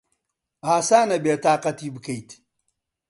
ئاسانە بێتاقەتی بکەیت.